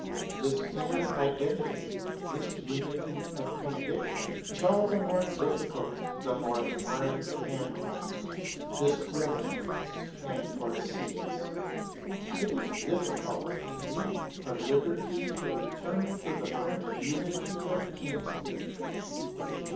This inner identity, this unity of convic tion, is all the more difficult the more the mind analyses, discriminates, and foresees. It is difficult, indeed, for liberty to retvrn to the frank unity of instinct.